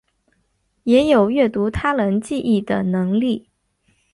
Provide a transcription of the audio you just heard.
也有阅读他人记忆的能力。